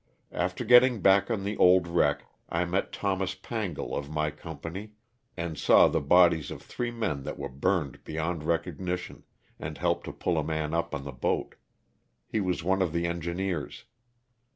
After getting back on the old wreck I met Thomas Pangle of my company and saw the bodies of three men that were burned beyond recognition, and helped to pull a man up on the boat; he was one of the engineers.